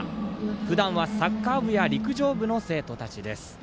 ふだんはサッカー部や陸上部の生徒たちです。